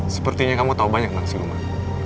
sepertinya kamu tahu banyak tentang si rumah